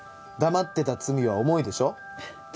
黙ってた罪は重いでしょ？